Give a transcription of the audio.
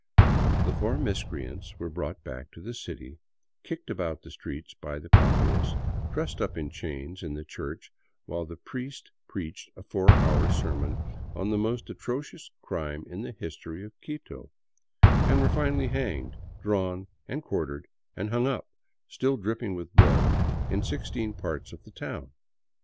The four mis creants were brought back to the city, kicked about the streets by the populace, trussed up in chains in the church while the priest preached a four hour sermon on " the most atrocious crime in the history of Quito," and were finally hanged, drawn, and quartered, and hung up, still dripping with blood, in sixteen parts of the town.